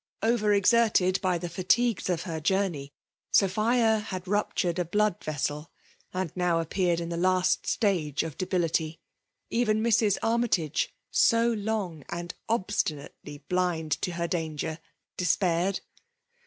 k Qver oxerted by the fatigues of her journej Sopibia had ruptured a blood vessel, and now appeared in the last stage of debility; even Mrs. Armytage, so long and obstinately blind to her danger, despaired.